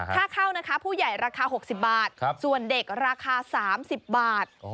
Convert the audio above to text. ค่าเข้านะคะผู้ใหญ่ราคา๖๐บาทส่วนเด็กราคา๓๐บาท